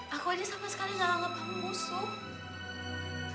aku aja sama sekali gak menganggap kamu musuh